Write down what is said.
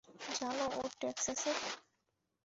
জানো, ও টেক্সাসের।